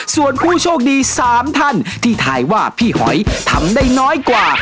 ส่วนผู้โชคดี๓ท่านที่ถ่ายว่าพี่หอยทำได้น้อยกว่า